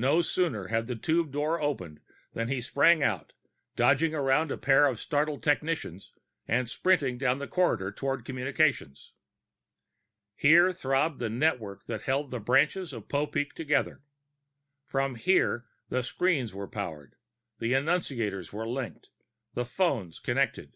No sooner had the tube door opened than he sprang out, dodging around a pair of startled technicians, and sprinted down the corridor toward communications. Here throbbed the network that held the branches of Popeek together. From here the screens were powered, the annunciators were linked, the phones connected.